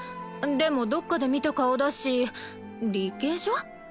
でもどっかで見た顔だしリケジョ？